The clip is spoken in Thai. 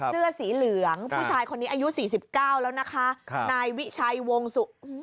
เสื้อสีเหลืองผู้ชายคนนี้อายุสี่สิบเก้าแล้วนะคะนายวิชัยวงสุ